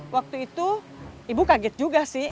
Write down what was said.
waktu itu ibu kaget juga sih